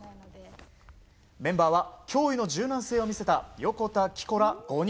メンバーは驚異の柔軟性を見せた横田葵子ら５人。